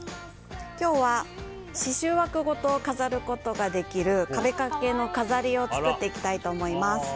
今日は刺しゅう枠ごと飾ることができる壁掛けの飾りを作っていきたいと思います。